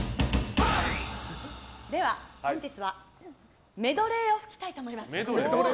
では本日はメドレーを吹きたいと思います。